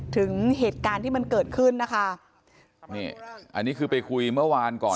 ถึงเหตุการณ์ที่มันเกิดขึ้นนะคะนี่อันนี้คือไปคุยเมื่อวานก่อน